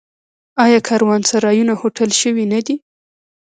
آیا کاروانسرایونه هوټل شوي نه دي؟